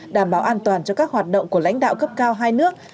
đảm bảo an toàn cho các hoạt động của lãnh đạo cấp cao hai nước